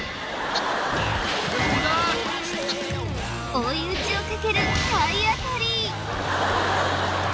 追い打ちをかける体当たり！